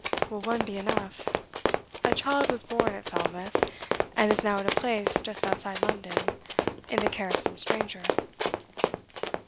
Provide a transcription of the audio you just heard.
'Will one be enough? A child was born at Falmouth, and is now at a place just outside London, in the care of some stranger.